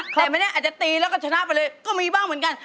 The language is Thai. แต่ไม่ได้อาจจะตีแล้วก็ชนะไปเลยก็มีบ้างเหมือนกัน